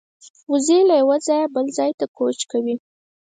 وزې له یوه ځایه بل ته کوچ کوي